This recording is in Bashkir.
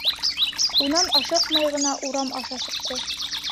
Унан ашыҡмай ғына урам аша сыҡты.